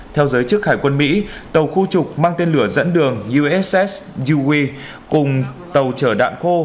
theo giới chức hải quân mỹ tàu khu trục mang tên lửa dẫn đường uss dewey cùng tàu chở đạn khô